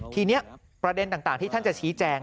ทีนี้ประเด็นต่างที่ท่านจะชี้แจง